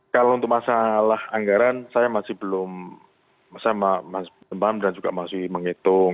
kalau untuk masalah anggaran saya masih belum saya masih belum paham dan juga masih menghitung